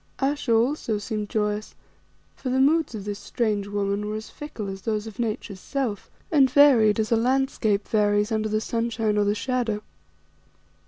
Ayesha also seemed joyous, for the moods of this strange woman were as fickle as those of Nature's self, and varied as a landscape varies under the sunshine or the shadow.